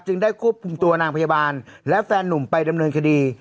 ได้ควบคุมตัวนางพยาบาลและแฟนหนุ่มไปดำเนินคดี